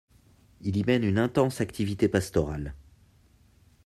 Il y mène une intense activité pastorale.